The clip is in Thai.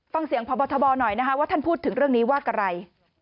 ฟังเสียงพบทบหน่อยนะคะว่าท่านพูดถึงเรื่องนี้ว่าอะไร